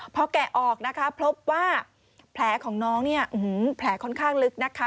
พอแกะออกนะคะพบว่าแผลของน้องเนี่ยแผลค่อนข้างลึกนะคะ